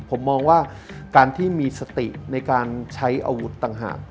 ผมมองว่าการที่มีสติในการใช้อาวุธต่างหาก